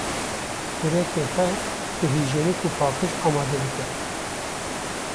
Xurekên xwe bi hîjyenîk û paqîj amade bikin.